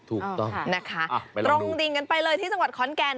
ตรงดิ่งกันไปเลยที่สังหวัดขอนแก่น